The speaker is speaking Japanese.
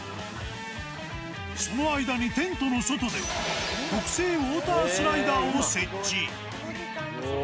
その間にテントの外では、特製ウォータースライダーを設置。